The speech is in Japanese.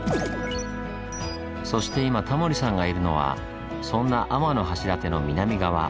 そして今タモリさんがいるのはそんな天橋立の南側。